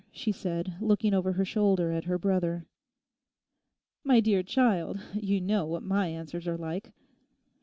she said, looking over her shoulder at her brother. 'My dear child, you know what my answers are like!